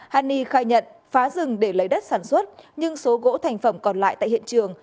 hani khai nhận phá rừng để lấy đất sản xuất nhưng số gỗ thành phẩm còn lại tại hiện trường